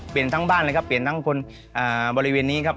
ทั้งบ้านเลยครับเปลี่ยนทั้งคนบริเวณนี้ครับ